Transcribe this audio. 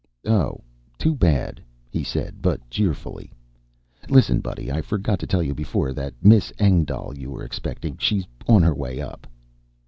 "Oh. Too bad," he said, but cheerfully. "Listen, buddy, I forgot to tell you before. That Miss Engdahl you were expecting, she's on her way up."